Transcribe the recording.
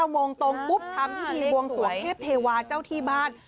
โมงตรงปุ๊บทำพิธีบวงสวงเทพเทวาเจ้าที่บ้าน